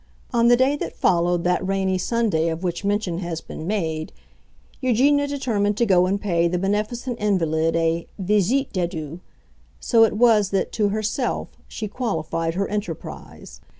On the day that followed that rainy Sunday of which mention has been made, Eugenia determined to go and pay the beneficent invalid a "visite d'adieux"; so it was that, to herself, she qualified her enterprise.